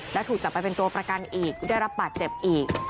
และถูกจับไปเป็นตัวประกันอีกได้รับบาดเจ็บอีก